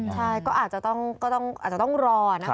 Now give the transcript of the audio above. ใช่ก็อาจจะต้องรอนะคะ